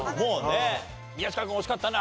宮近君惜しかったな。